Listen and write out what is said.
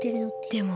でも